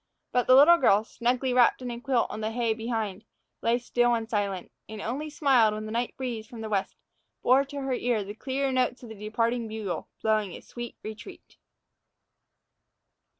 But the little girl, snugly wrapped in a quilt on the hay behind, lay still and silent, and only smiled when the night breeze from the west bore to her ear the clear notes of the departing bugle blowing a sweet retreat.